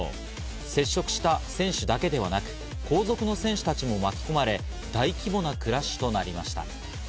接触した選手だけではなく後続の選手たちも巻き込まれ大規模なクラッシュとなりました。